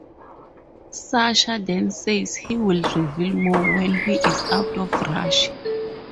Sasha then says he will reveal more when he is out of Russia.